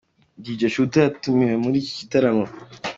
Dj Shooter yatumiwe muri iki gitaramo.